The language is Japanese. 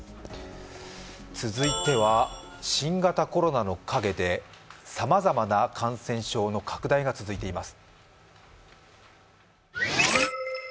続いては新型コロナの陰でさまざまな感染症の拡大が続いています。